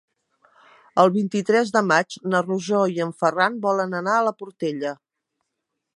El vint-i-tres de maig na Rosó i en Ferran volen anar a la Portella.